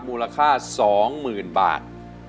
มูลค่า๒๐๐๐๐บาท